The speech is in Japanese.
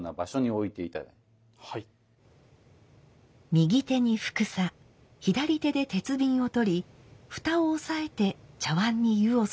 右手に帛紗左手で鉄瓶を取り蓋を押さえて茶碗に湯を注ぎます。